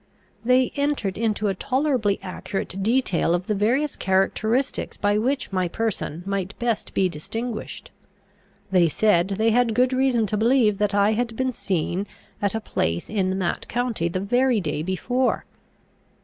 They entered into a tolerably accurate detail of the various characteristics by which my person might best be distinguished. They said, they had good reason to believe that I had been seen at a place in that county the very day before.